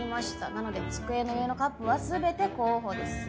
なので机の上のカップは全て候補です。